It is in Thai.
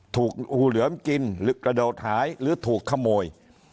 ถูกงูเหลือมกินหรือกระโดดหายหรือถูกขโมย